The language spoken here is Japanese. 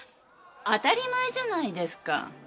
当たり前じゃないですか。